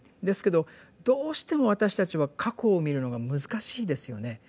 ですけどどうしても私たちは過去を見るのが難しいですよね。